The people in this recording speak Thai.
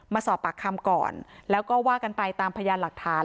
มาสอบปากคำก่อนแล้วก็ว่ากันไปตามพยานหลักฐาน